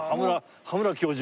羽村教授？